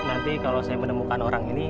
nanti kalau saya menemukan orang ini